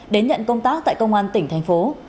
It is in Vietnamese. đến nhận công tác tại công an tỉnh thành phố